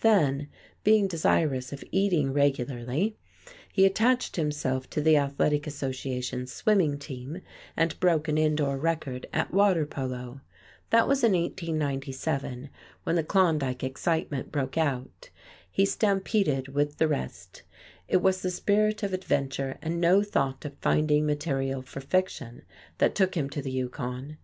Then, being desirous of eating regularly, he attached himself to the athletic association's swimming team and broke an indoor record at water polo. That was in 1897, when the Klondike excitement broke out. He stampeded with the rest. It was the spirit of adventure and no thought of finding material for fiction that took him to the Yukon.